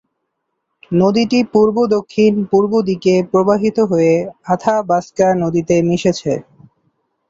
নদীটি পূর্ব-দক্ষিণ পূর্ব দিকে প্রবাহিত হয়ে আথাবাস্কা নদীতে মিশেছে।